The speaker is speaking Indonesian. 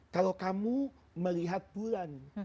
kalau kamu melihat bulan